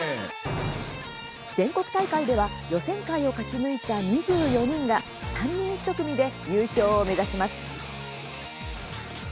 全国大会では予選会を勝ち抜いた２４人が３人１組で優勝を目指します。